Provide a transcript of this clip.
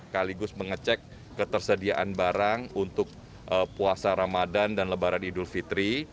kaligus mengecek ketersediaan barang untuk puasa ramadan dan lebaran idul fitri